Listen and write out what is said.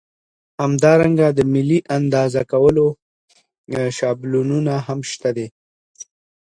همدارنګه د ملي اندازه کولو شابلونونه هم شته.